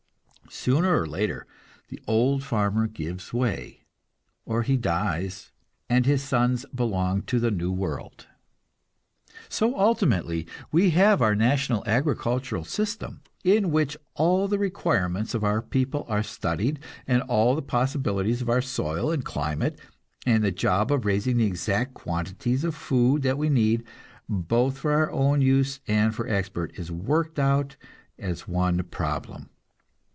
Sooner or later the old farmer gives way; or he dies, and his sons belong to the new world. So ultimately we have our national agricultural system, in which all the requirements of our people are studied, and all the possibilities of our soil and climate, and the job of raising the exact quantities of food that we need, both for our own use and for export, is worked out as one problem.